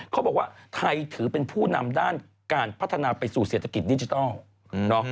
เขาบอกว่าไทยถือเป็นผู้นำด้านการพัฒนาไปสู่เศรษฐกิจดิจิทัล